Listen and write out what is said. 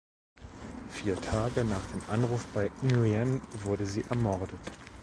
Vier Tage nach dem Anruf bei Nguyen wurde sie ermordet.